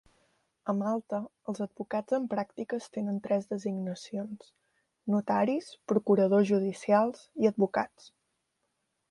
A Malta, els advocats en pràctiques tenen tres designacions: notaris, procuradors judicials i advocats.